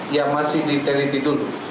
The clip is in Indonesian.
ya masih diteripidun